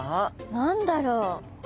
何だろう？